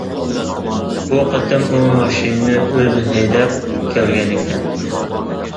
بۇ قېتىم ئۇ ماشىنىنى ئۆزى ھەيدەپ كەلگەنىكەن.